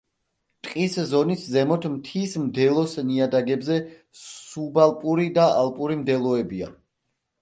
ტყის ზონის ზემოთ მთის მდელოს ნიადაგებზე სუბალპური და ალპური მდელოებია.